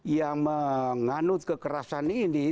yang menganut kekerasan ini